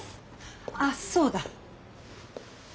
あっそうだ。